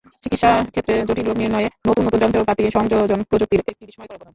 চিকিত্সাক্ষেত্রে জটিল রোগ নির্ণয়ে নতুন নতুন যন্ত্রপাতির সংযোজন প্রযুক্তির একটি বিস্ময়কর অবদান।